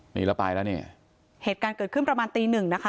หนีแล้วไปแล้วนี่เหตุการณ์เกิดขึ้นประมาณตีหนึ่งนะคะ